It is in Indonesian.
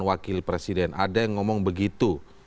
wakil presiden ada yang ngomong begitu